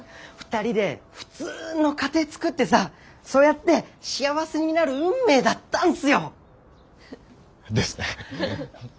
２人で普通の家庭つくってさそうやって幸せになる運命だったんっすよ。ですね。